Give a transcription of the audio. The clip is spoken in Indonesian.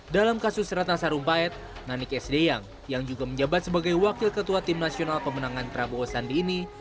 dalam kasus ratna sarumpait nanik sd yang juga menjabat sebagai wakil ketua tim nasional pemenangan prabowo sandi ini